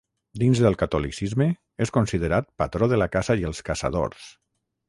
Dins del catolicisme, és considerat patró de la caça i els caçadors.